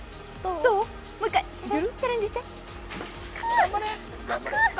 もう一回、チャレンジして！